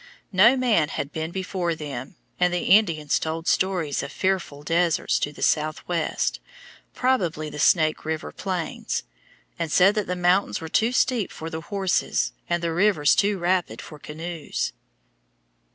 No man had been before them, and the Indians told stories of fearful deserts to the southwest (probably the Snake River plains), and said that the mountains were too steep for the horses, and the rivers too rapid for canoes.